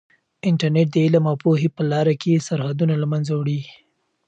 انټرنیټ د علم او پوهې په لاره کې سرحدونه له منځه وړي.